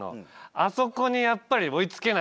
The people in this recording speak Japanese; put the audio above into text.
あそこにやっぱり追いつけないんですよね。